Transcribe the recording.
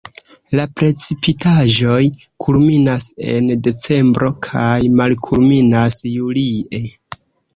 La precipitaĵoj kulminas en decembro kaj malkulminas julie.